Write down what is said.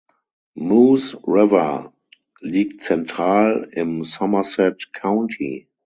Moose River liegt zentral im Somerset County.